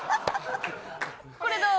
これどう？